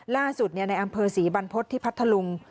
ล่าสุดในอำเภอศรีบรรพฤทธิ์ที่พัทธลุง